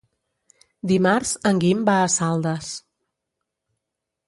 Dimarts en Guim va a Saldes.